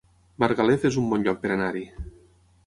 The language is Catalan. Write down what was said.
Margalef es un bon lloc per anar-hi